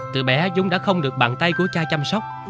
từ bé dũng đã không được bàn tay của cha chăm sóc